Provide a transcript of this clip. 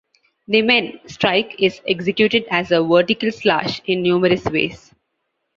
The "men" strike is executed as a "vertical" slash in numerous ways.